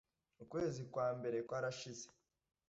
ukwezi kwa mbere kwarashize,